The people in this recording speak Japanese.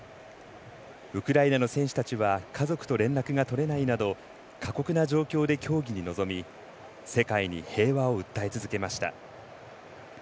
ウクライナの選手たちは家族と連絡がとれないなど過酷な状況で競技に臨み世界に平和を訴え続けました。